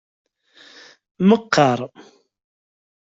Meqqar.